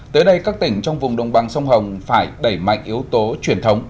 tới đây các tỉnh trong vùng đồng bằng sông hồng phải đẩy mạnh yếu tố truyền thống